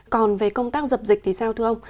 còn về công tác dập dịch thì sao thưa ông